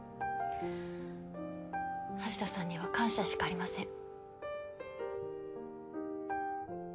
橋田さんには感謝しかありません。